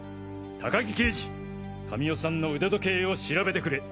高木刑事神尾さんの腕時計を調べてくれ。